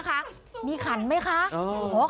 ใครออกแบบห้องน้ำวะ